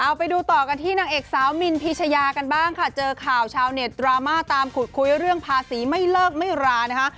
เอาไปดูต่อกันที่นางเอกสาวมินพีชยากันบ้างค่ะเจอข่าวชาวเน็ตดราม่าตามขุดคุยเรื่องภาษีไม่เลิกไม่รานะคะ